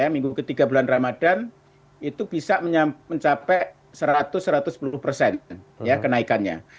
minggu ketiga bulan ramadan itu bisa mencapai satu ratus satu ratus sepuluh persen kenaikannya